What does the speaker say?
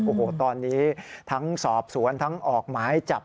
โอ้โหตอนนี้ทั้งสอบสวนทั้งออกหมายจับ